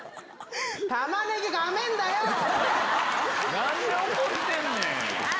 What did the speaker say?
何で怒ってんねん。